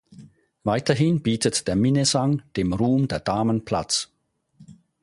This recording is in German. Weiterhin bietet der Minnesang dem Ruhm der Damen Platz.